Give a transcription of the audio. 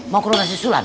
mau ke rumah haji sulam